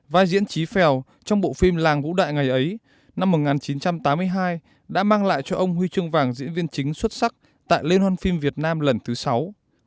vai diễn trí phèo trong bộ phim làng vũ đại ngày ấy năm một nghìn chín trăm tám mươi hai đã mang lại cho ông huy chương vàng diễn viên chính xuất sắc tại liên hoan phim việt nam lần thứ sáu